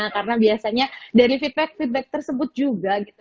karena biasanya dari feedback feedback tersebut juga gitu